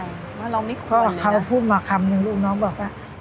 เพราะว่าเราไม่คลอดเขาพูดมาคำนึงลูกน้องบอกว่า